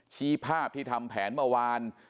ชี้ภาพที่ทำแผนเมื่อวาน